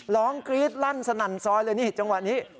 ร้องกรี๊ดลั่นสนั่นซอยเลยจังหวะนี้